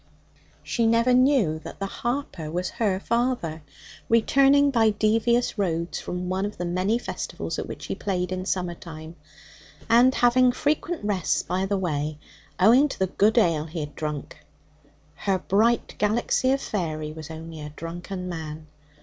She never knew that the harper was her father returning by devious roads from one of the many festivals at which he played in summer time, and having frequent rests by the way, owing to the good ale he had drunk. Her bright galaxy of faery was only a drunken man.